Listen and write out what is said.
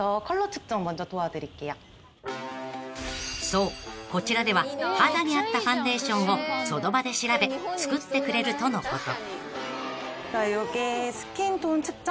［そうこちらでは肌に合ったファンデーションをその場で調べ作ってくれるとのこと］